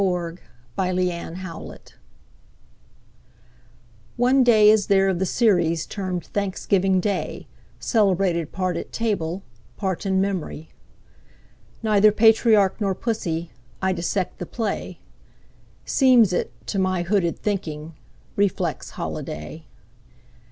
Part One: Life CXXXVII ONE day is there of the seriesTermed Thanksgiving day, Celebrated part at table, Part in memory. Neither patriarch nor pussy,I dissect the play; Seems it, to my hooded thinking, Reflex holiday.